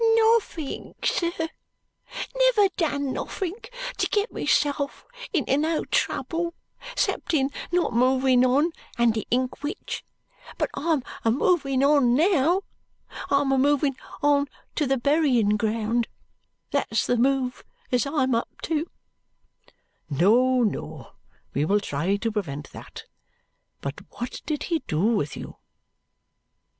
"Nothink, sir. Never done nothink to get myself into no trouble, 'sept in not moving on and the inkwhich. But I'm a moving on now. I'm a moving on to the berryin ground that's the move as I'm up to." "No, no, we will try to prevent that. But what did he do with you?"